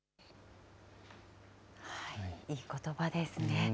いいことばですね。